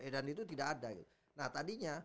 dan itu tidak ada nah tadinya